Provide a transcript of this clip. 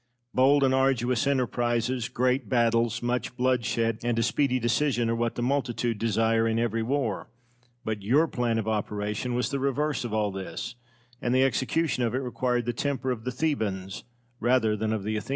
Bold and arduous enterprises, great battles, much bloodshed, and a speedy decision, are what the multitude desire in every war; but your plan of operation was the reverse of all this, and the execution of it required the temper of the Thebans rather than of the Athenians.